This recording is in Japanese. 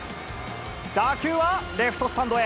打球はレフトスタンドへ。